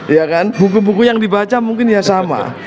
ya kan buku buku yang dibaca mungkin ya sama